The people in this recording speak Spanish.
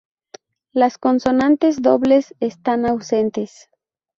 Las consonantes dobles están ausentes.